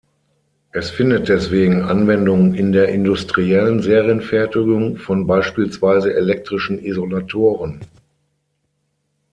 Es findet deswegen Anwendung in der industriellen Serienfertigung von beispielsweise elektrischen Isolatoren.